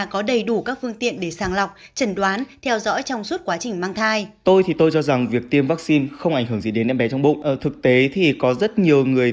có đầy đủ các phương tiện để sàng lọc trần đoán theo dõi trong suốt quá trình mang thai